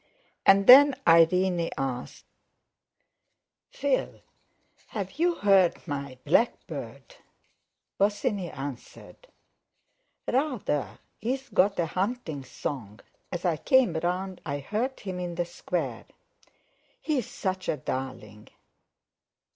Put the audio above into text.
And then Irene asked: "Phil, have you heard my blackbird?" Bosinney answered: "Rather—he's got a hunting song. As I came round I heard him in the Square." "He's such a darling!"